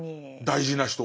大事な人。